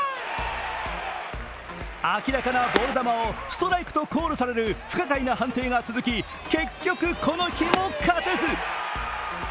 明らかなボール球をストライクとコールされる不可解な判定が続き結局この日も勝てず。